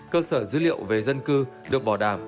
cơ sở dữ liệu về dân cư được bỏ đàm